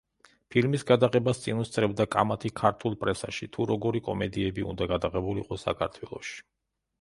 ფილმის გადაღებას წინ უსწრებდა კამათი ქართულ პრესაში, თუ როგორი კომედიები უნდა გადაღებულიყო საქართველოში.